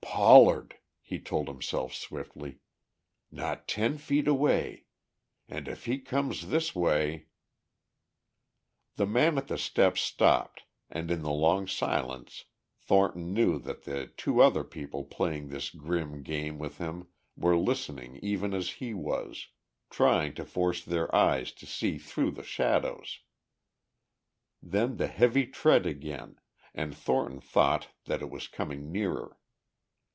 "Pollard," he told himself swiftly. "Not ten feet away. And if he comes this way ..." The man at the steps stopped and in the long silence Thornton knew that the two other people playing this grim game with him were listening even as he was, trying to force their eyes to see through the shadows. Then the heavy tread again, and Thornton thought that it was coming nearer.